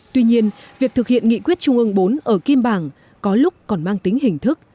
tuy nhiên việc thực hiện nghị quyết trung ương bốn ở kim bàng có lúc còn mang tính hình thức